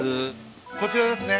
こちらですね。